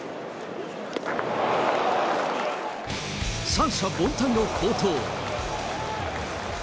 三者凡退の好投。